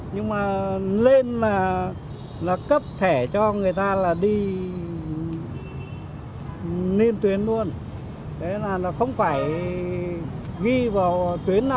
nhưng mà lên là cấp thẻ cho người ta là đi liên tuyến